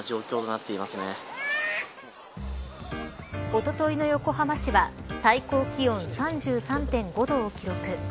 おとといの横浜市は最高気温３３．５度を記録。